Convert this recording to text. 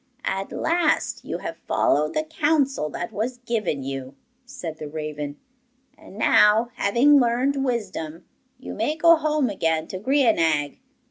'At last you have followed the counsel that was given you,' said the raven; 'and now, having learned wisdom, you may go home again to Grianaig.